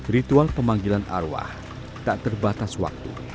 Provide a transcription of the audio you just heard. ritual pemanggilan arwah tak terbatas waktu